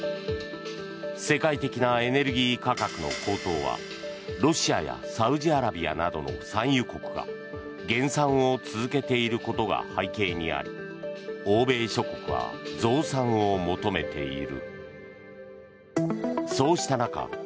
世界的なエネルギー価格の高騰はロシアやサウジアラビアなどの産油国が減産を続けていることが背景にあり欧米諸国は増産を求めている。